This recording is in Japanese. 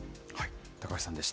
高橋さんでした。